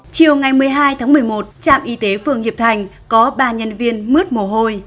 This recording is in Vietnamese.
chiều ngày một mươi hai tháng một mươi một trạm y tế phường hiệp thành có ba nhân viên mướt mồ hôi